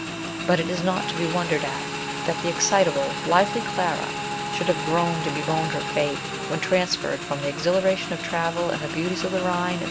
But it is not to be wondered at that the excitable, lively Clara should have groaned and bemoaned her fate when transferred from the exhilara tion of travel and the beauties of the Rhine and 80 MRS.